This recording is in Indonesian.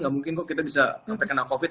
gak mungkin kok kita bisa sampai kena covid